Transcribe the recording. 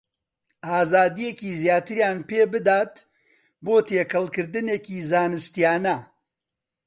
ئازادییەکی زیاتریان پێ بدات بۆ تێکەڵکردنێکی زانستییانە